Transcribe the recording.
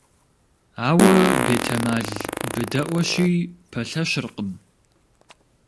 Ауэ, бетэмал, быдэӀуэщи, пэлъэщыркъым.